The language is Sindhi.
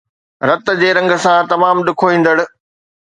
رت جي رنگ سان تمام ڏکوئيندڙ